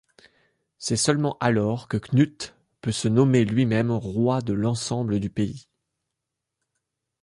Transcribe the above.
C'est seulement alors que Knut peut se nommer lui-même roi de l'ensemble du pays.